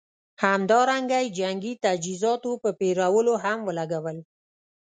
همدارنګه یې جنګي تجهیزاتو په پېرودلو هم ولګول.